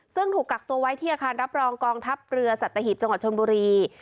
ซึ่งถูกกักตัวไว้ที่อาคารรับรองกองทัพเรือสัตหีบจังหวัดชนบุรี